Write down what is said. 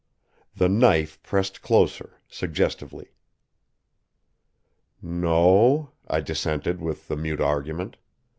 The knife pressed closer, suggestively. "No," I dissented with the mute argument.